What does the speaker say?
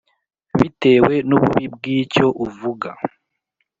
bitewe n’ububi bw’icyo uvuga